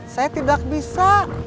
saya tidak bisa